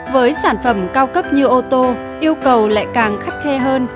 với sản phẩm cao cấp như ô tô yêu cầu lại càng khắt khe hơn